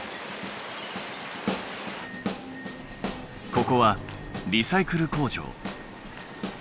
ここはリサイクル工場。